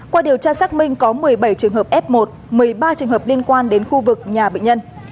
qua điều tra xác minh có một mươi bảy trường hợp f một một mươi ba trường hợp liên quan đến khu vực nhà bệnh nhân